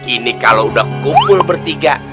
ini kalau udah kumpul bertiga